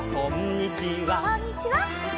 「こんにちは」